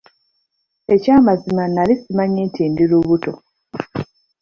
Eky'amazima nnali ssimanyi nti ndi lubuto.